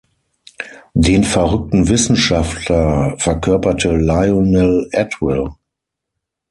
Den verrückten Wissenschaftler verkörperte Lionel Atwill.